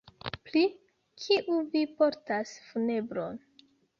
Pri kiu vi portas funebron?